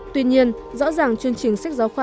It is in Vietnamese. tuy nhiên rõ ràng chương trình sách giáo khoa